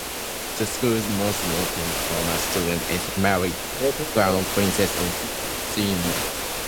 The school's most notable former student is Mary, Crown Princess of Denmark.